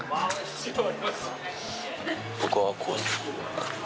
僕はこうですね。